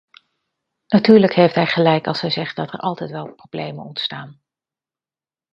Natuurlijk heeft hij gelijk als hij zegt dat er altijd wel problemen ontstaan.